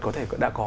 có thể đã có